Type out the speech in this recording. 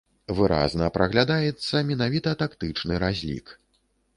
Выразна праглядаецца менавіта тактычны разлік.